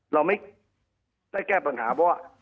เราไม่ได้แก้ปัญหาเพราะว่า